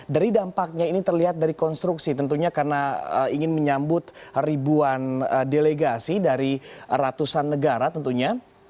dari dampaknya ini terlihat dari konstruksi tentunya karena ingin menyambut ribuan delegasi dari ratusan negara tentunya